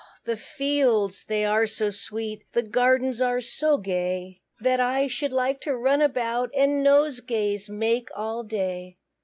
the fields they are so sweet, The gardens are so gay, That I should like to run about, And nosegays make all day.